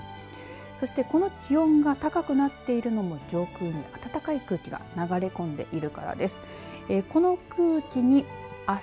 そして、この気温が高くなっているのも上空に暖かい空気が流れ込んでいるからです。